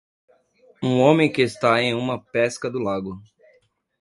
Um homem que está em uma pesca do lago.